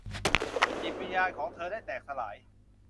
จิตวิญญาณของเธอได้แตกสลาย